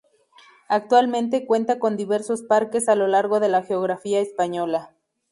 Actualmente cuenta con diversos parques a lo largo de la geografía española.